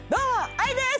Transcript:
ＡＩです！